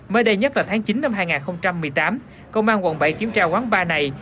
mới đây nhất vào tháng chín năm hai nghìn một mươi tám công an quận bảy kiểm tra quán bar này